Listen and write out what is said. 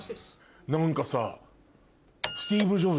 何かさ。